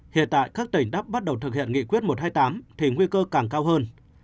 hiện tại các tỉnh đắp bắt đầu thực hiện nghị quyết một trăm hai mươi tám thì nguy cơ càng cao hơn